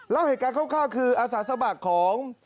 เล่าเหตุการณ์คร่าวคืออาสาสมัครของ